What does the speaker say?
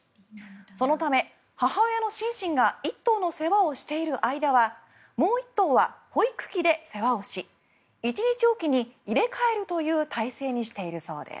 そのため、母親のシンシンが１頭の世話をしている間はもう１頭は保育器で世話をし１日おきに入れ替えるという体制にしているそうです。